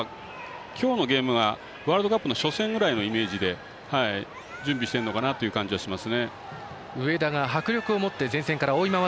今日のゲームはワールドカップの初戦ぐらいの形で準備してるのかなと思います。